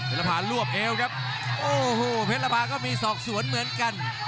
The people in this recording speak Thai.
ละพารวบเอวครับโอ้โหเพชรภาก็มีศอกสวนเหมือนกัน